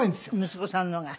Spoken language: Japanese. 息子さんのが。